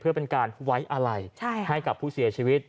เพื่อเป็นการไว้อะไรให้กับผู้เสียชีวิต